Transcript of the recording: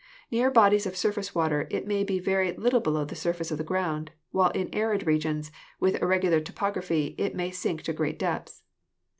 Near bodies of surface water it may be very little below the surface of the ground, while in arid regions, with irregular topography, it may sink to great depths.